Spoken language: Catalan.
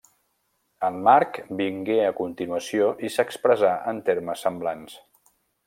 El Marc vingué a continuació i s'expressà en termes semblants.